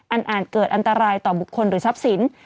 อาจเกิดอันตรายต่อบุคคลหรือทรัพย์สิน